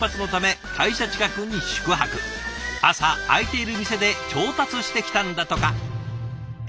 朝開いている店で調達してきたんだとか。